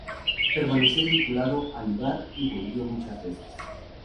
Permaneció vinculado al lugar y volvió muchas veces.